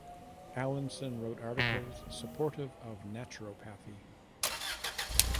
Allinson wrote articles supportive of naturopathy.